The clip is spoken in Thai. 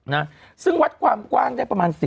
นะซึ่งวัดความกว้างได้ประมาณ๑๐